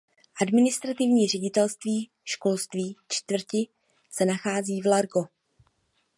Administrativní ředitelství školní čtvrti se nachází v Largo.